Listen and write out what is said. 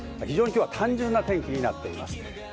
今日は単純な天気になっています。